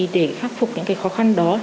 để khắc phục những khó khăn đó